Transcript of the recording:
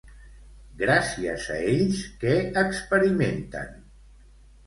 Gràcies a ells, què experimenten?